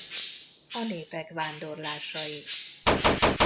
A népek vándorlásai.